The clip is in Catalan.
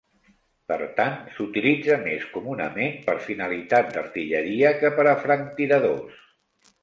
Per tant, s'utilitza més comunament per finalitat d'artilleria que per a franctiradors.